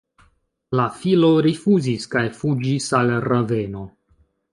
La filo rifuzis kaj fuĝis al Raveno.